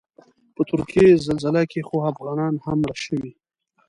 په ترکیې زلزله کې خو افغانان هم مړه شوي.